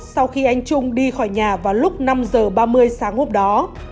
sau khi anh trung đi khỏi nhà vào lúc năm h ba mươi sáng hôm đó